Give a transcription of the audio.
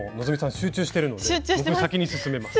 集中してるので僕先に進めます。